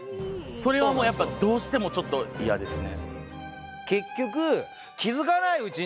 それはもうやっぱどうしてもちょっと嫌ですね。